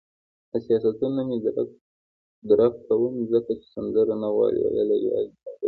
حساسیتونه مې درک کوم، څوک چې سندره نه غواړي ویلای، یوازې زمزمه کوي یې.